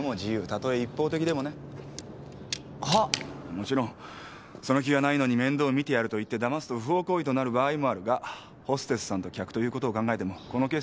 もちろんその気がないのに面倒見てやると言ってだますと不法行為となる場合もあるがホステスさんと客ということを考えてもこのケースでは無理だろ。